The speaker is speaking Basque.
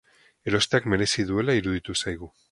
Erosteak merezi duela iruditu zaigu.